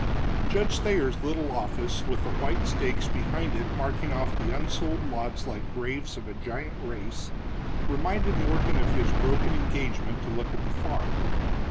Judge Thayer's little office, with the white stakes behind it marking off the unsold lots like graves of a giant race, reminded Morgan of his broken engagement to look at the farm.